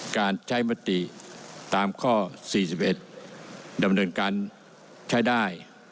การใช้มติตามข้อ๔๑ดำเนินการใช้ได้